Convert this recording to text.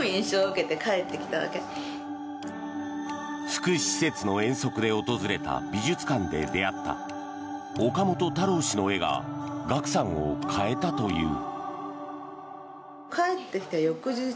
福祉施設の遠足で訪れた美術館で出会った岡本太郎氏の絵がＧＡＫＵさんを変えたという。